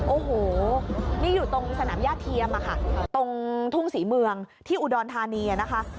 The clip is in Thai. โอ้โหนี่อยู่ตรงสนามย่าเทียมอะค่ะตรงทุ่งศรีเมืองที่อุดรธานีนะคะ